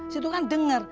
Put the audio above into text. situ kan dengar